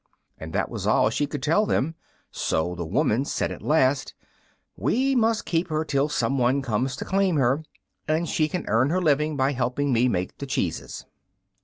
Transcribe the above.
And that was all she could tell them, so the woman said at last, "We must keep her till some one comes to claim her, and she can earn her living by helping me make the cheeses."